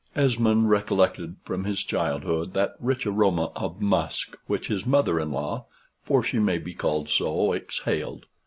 Esmond recollected from his childhood that rich aroma of musk which his mother in law (for she may be called so) exhaled.